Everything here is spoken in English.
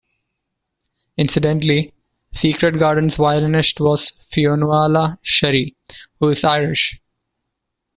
Incidentally, Secret Garden's violinist was Fionnuala Sherry, who is Irish.